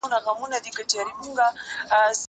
زه به اوبه پاکې کړې وي!؟